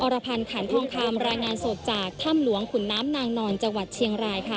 รพันธ์ขันทองคำรายงานสดจากถ้ำหลวงขุนน้ำนางนอนจังหวัดเชียงรายค่ะ